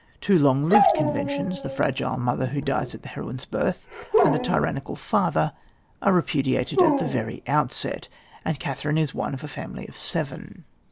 Two long lived conventions the fragile mother, who dies at the heroine's birth, and the tyrannical father are repudiated at the very outset; and Catherine is one of a family of seven.